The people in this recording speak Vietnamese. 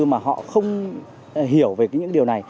mà họ không hiểu về những điều này